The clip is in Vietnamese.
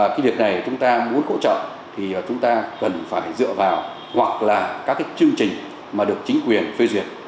cái việc này chúng ta muốn hỗ trợ thì chúng ta cần phải dựa vào hoặc là các cái chương trình mà được chính quyền phê duyệt